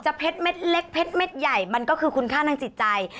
เพชรเม็ดเล็กเพชรเม็ดใหญ่มันก็คือคุณค่าทางจิตใจ